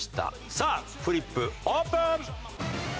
さあフリップオープン！